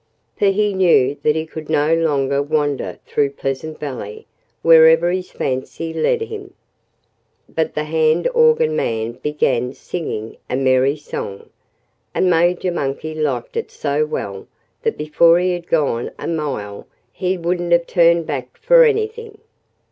For he knew that he could no longer wander through Pleasant Valley wherever his fancy led him. But the hand organ man began singing a merry song. And Major Monkey liked it so well that before he had gone a mile he wouldn't have turned back for anything.